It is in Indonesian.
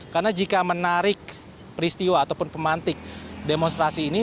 karena jika menarik peristiwa ataupun pemantik demonstrasi ini